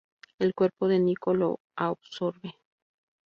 El cuerpo de Nico lo absorbe.